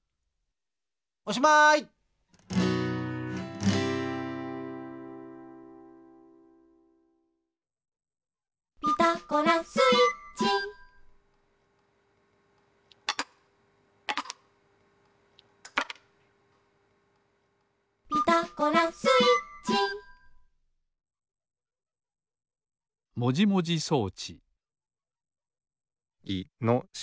おしまい「ピタゴラスイッチ」「ピタゴラスイッチ」もじもじ装置いのし。